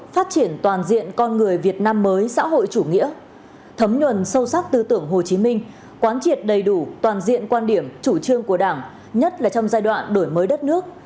phát triển toàn diện con người việt nam mới xã hội chủ nghĩa thấm nhuần sâu sắc tư tưởng hồ chí minh quán triệt đầy đủ toàn diện quan điểm chủ trương của đảng nhất là trong giai đoạn đổi mới đất nước